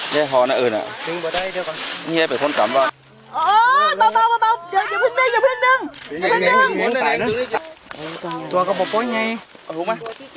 เราชูขึ้นได้ไหม